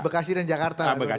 bekasi dan jakarta